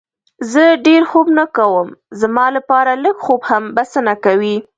زه ډېر خوب نه کوم، زما لپاره لږ خوب هم بسنه کوي.